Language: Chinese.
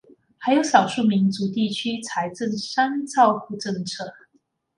还有少数民族地区财政三照顾政策。